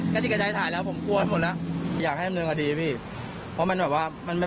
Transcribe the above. เพราะมันก็เป็นประทักษมณะเลย